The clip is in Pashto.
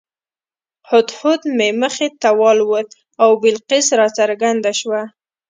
هدهد مې مخې ته والوت او بلقیس راڅرګنده شوه.